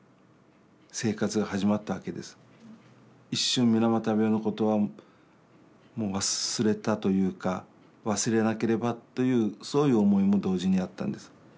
一瞬水俣病のことはもう忘れたというか忘れなければというそういう思いも同時にあったんです。